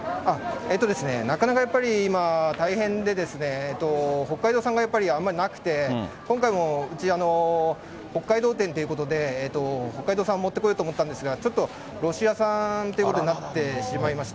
なかなかやっぱり、大変で、北海道産がやっぱり、あまりなくて、今回もうち、北海道展ということで北海道産を持ってこようと思ったんですが、ちょっとロシア産っていうことになってしまいました。